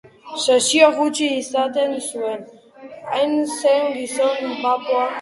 Sesio gutxi izaten zuen, hain zen gizona bapoa.